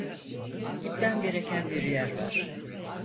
Gitmem gereken bir yer var.